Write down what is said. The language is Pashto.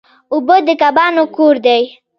اوبه د کبانو کور دی.